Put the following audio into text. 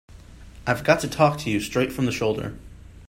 I've got to talk to you straight from the shoulder.